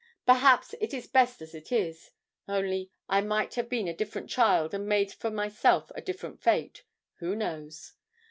Perhaps it is best as it is; only, I might have been a different child, and made for myself a different fate who knows.